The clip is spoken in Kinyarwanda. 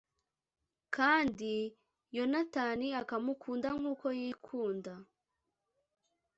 kandi Yonatani akamukunda nk’uko yikunda